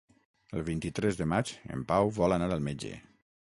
El vint-i-tres de maig en Pau vol anar al metge.